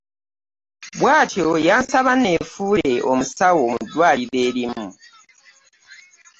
Bw'atyo yansaba nneefuule omusawo mu ddwaaliro erimu.